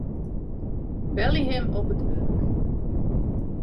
Belje him op it wurk.